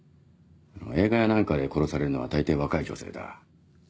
映画や何かで殺されるのは大抵若い女性だ。